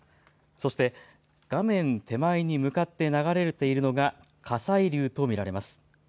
そして画面手前に向かって流れているのが火砕流と見られます。